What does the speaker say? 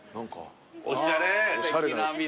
おしゃれ。